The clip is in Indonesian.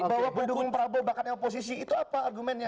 bahwa pendukung prabowo bakatnya oposisi itu apa argumennya